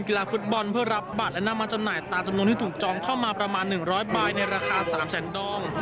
กีฬาฟุตบอลเพื่อรับบัตรและนำมาจำหน่ายตามจำนวนที่ถูกจองเข้ามาประมาณ๑๐๐ใบในราคา๓แสนดอง